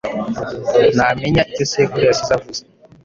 ntamenya icyo sekuru yasize avuze.”